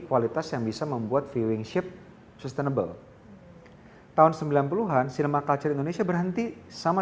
kualitas yang bisa membuat fee wingship sustainable tahun sembilan puluh an sinema culture indonesia berhenti sama